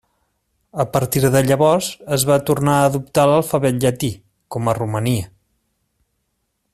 A partir de llavors es va tornar a adoptar l'alfabet llatí, com a Romania.